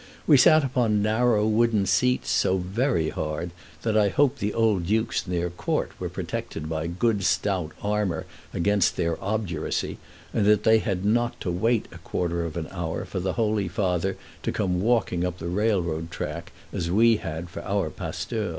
We sat upon narrow wooden seats so very hard that I hope the old dukes and their court were protected by good stout armor against their obduracy, and that they had not to wait a quarter of an hour for the holy father to come walking up the railroad track, as we had for our pasteur.